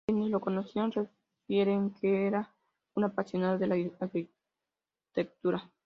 Quienes lo conocieron refieren que era un apasionado de la arquitectura.